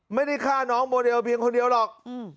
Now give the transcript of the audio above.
ไม่ได้ฆ่าน้องโมเดลเพียงคนเดียวหรอก